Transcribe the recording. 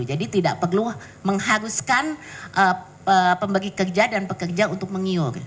jadi tidak perlu mengharuskan pemberi kerja dan pekerja untuk mengiur